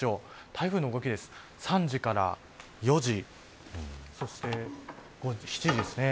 台風の動きです、３時から４時そして７時ですね。